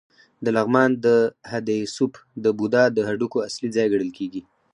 د لغمان د هده ستوپ د بودا د هډوکو اصلي ځای ګڼل کېږي